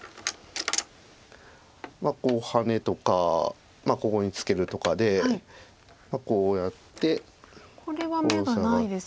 まあハネとかここにツケるとかでこうやってこうサガって。